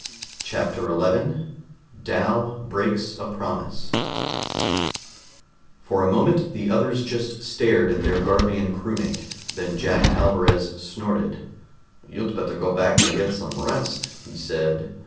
CHAPTER 11 DAL BREAKS A PROMISE For a moment the others just stared at their Garvian crewmate. Then Jack Alvarez snorted. "You'd better go back and get some rest," he said.